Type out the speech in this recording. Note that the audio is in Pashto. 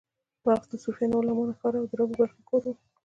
بلخ د صوفیانو او عالمانو ښار و او د رابعې بلخۍ کور و